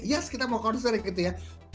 yes kita mau concern gitu ya